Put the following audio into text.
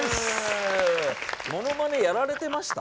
ものまねやられてました？